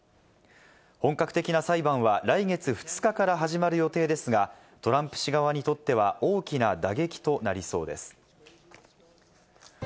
本格的な裁判は来月２日から始まる予定ですが、トランプ氏側にとっては大きな打撃となりそうです。